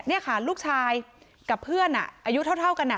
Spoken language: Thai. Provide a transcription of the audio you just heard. เนี้ยค่ะลูกชายกับเพื่อนอ่ะอายุเท่าเท่ากันอ่ะ